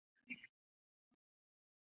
波斯小麦为禾本科小麦属下的一个变种。